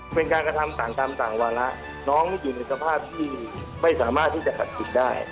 เป็นการกระทำต่างวันละน้องอยู่ในสภาพที่ไม่สามารถที่จะจาดไปได้